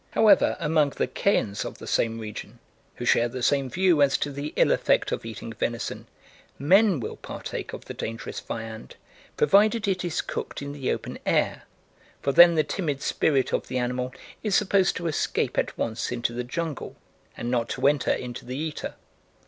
However, among the Kayans of the same region, who share the same view as to the ill effect of eating venison, men will partake of the dangerous viand provided it is cooked in the open air, for then the timid spirit of the animal is supposed to escape at once into the jungle and not to enter into the eater.